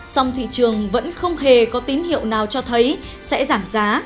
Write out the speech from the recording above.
song thị trường vẫn không hề có tín hiệu nào cho thấy sẽ giảm giá